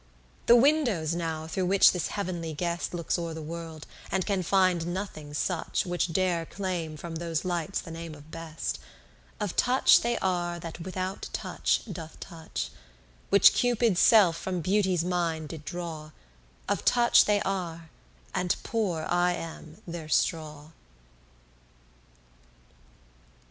The windows now through which this heav'nly guest Looks o'er the world, and can find nothing such, Which dare claim from those lights the name of best, Of touch they are that without touch doth touch, Which Cupid's self from Beauty's mine did draw: Of touch they are, and poor I am their straw.